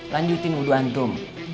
lanjutin wudhu antum